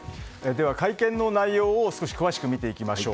会見の内容を少し詳しく見ていきます。